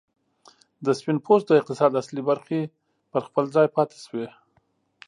د سپین پوستو د اقتصاد اصلي برخې پر خپل ځای پاتې شوې.